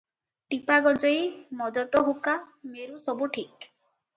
ଟିପା ଗଞ୍ଜେଇ – ମଦତ ହୁକା – ମେରୁ, ସବୁ ଠିକ୍ ।